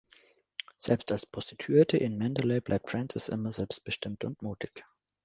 Selbst als Prostituierte in "Mandalay" bleibt Francis immer selbstbestimmt und mutig.